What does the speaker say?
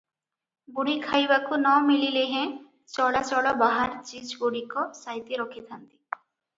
ବୁଢ଼ୀ ଖାଇବାକୁ ନ ମିଳିଲେହେଁ ଚଳାଚଳ ବାହାର ଚିଜଗୁଡ଼ିକ ସାଇତି ରଖି ଥାନ୍ତି ।